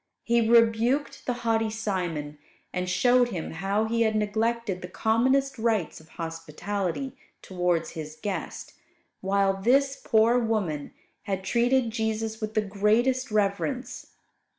He rebuked the haughty Simon; and showed him how he had neglected the commonest rites of hospitality towards his guest, while this poor woman had treated Jesus with the greatest reverence.